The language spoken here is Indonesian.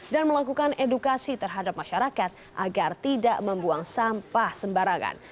dan melakukan edukasi terhadap masyarakat agar tidak membuang sampah sembarangan